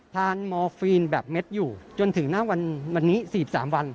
ทานมอฟินแบบเม็ดอยู่จนถึงหน้าวันนี้สี่สามวัน